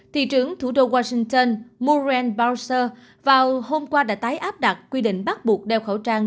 thị trưởng thủ đô washington muren baoser vào hôm qua đã tái áp đặt quy định bắt buộc đeo khẩu trang